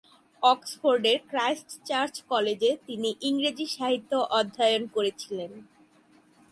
অক্সফোর্ডের Christ Church কলেজে তিনি ইংরেজি সাহিত্য অধ্যয়ন করেছিলেন।